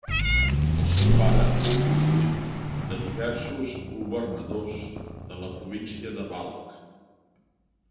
El seu pare fou visir de diversos governadors de la província de Balkh.